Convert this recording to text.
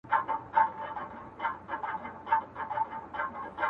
زه به دا توري سترګي چیري بدلومه٫